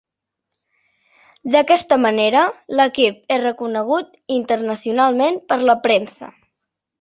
D'aquesta manera, l'equip és reconegut internacionalment per la premsa.